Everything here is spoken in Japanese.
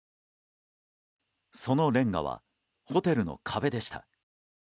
そのレンガはホテルの壁でした。